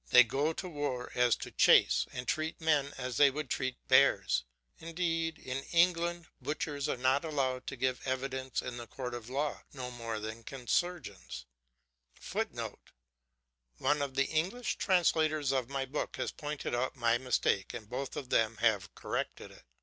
They go to war as to the chase, and treat men as they would treat bears. Indeed in England butchers are not allowed to give evidence in a court of law, no more can surgeons. [Footnote: One of the English translators of my book has pointed out my mistake, and both of them have corrected it.